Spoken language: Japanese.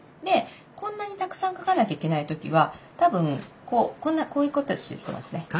でこんなにたくさん書かなきゃいけない時は多分こうこんなこういうことしてますね。